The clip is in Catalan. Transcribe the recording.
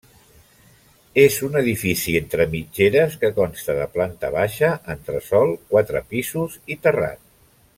És un edifici entre mitgeres que consta de planta baixa, entresòl, quatre pisos i terrat.